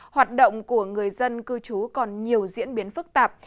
hoạt động của người dân cư trú còn nhiều diễn biến phức tạp